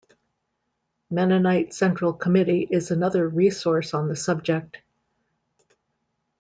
Mennonite Central Committee is another resource on the subject.